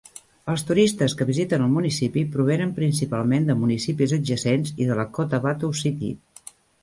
Els turistes que visiten el municipi provenen principalment de municipis adjacents i de la Cotabato City.